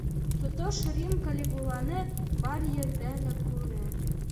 Тотош Рим Калигуланы бар ерҙә лә күрә.